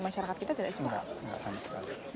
masyarakat kita tidak